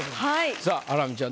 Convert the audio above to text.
さあハラミちゃん